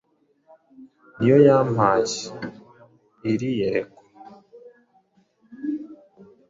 Ni yo yampaye iri yerekwa.